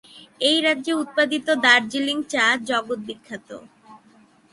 এই রাজ্যে উৎপাদিত দার্জিলিং চা জগৎ বিখ্যাত।